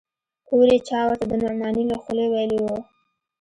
هورې چا ورته د نعماني له خولې ويلي و.